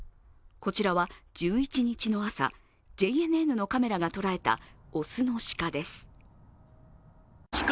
こちらは１１日の朝、ＪＮＮのカメラが捉えた雄の鹿です。